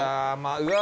うわ。